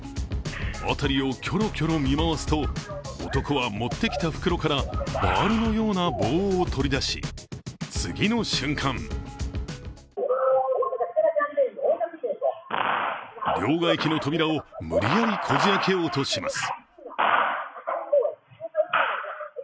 辺りをキョロキョロ見回すと、男は持ってきた袋からバールのような棒を取り出し次の瞬間両替機の扉を無理やりこじ開けようとします。